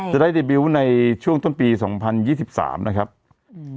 จะได้ในบิวต์ในช่วงต้นปีสองพันยี่สิบสามนะครับอืม